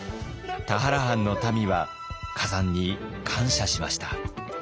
田原藩の民は崋山に感謝しました。